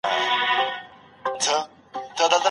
تاسو د مثبت ذهنیت سره په ژوند کي ډیر فعال یاست.